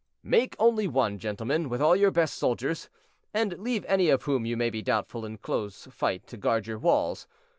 "Make only one, gentlemen, with all your best soldiers, and leave any of whom you may be doubtful in close fight to guard your walls.